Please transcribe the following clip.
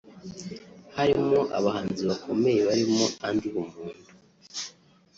harimo; abahanzi bakomeye barimo Andy bumuntu